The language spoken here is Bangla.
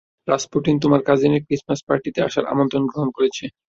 রাসপুটিন তোমার কাজিনের ক্রিস্টমাস পার্টিতে আসার আমন্ত্রণ গ্রহণ করেছে।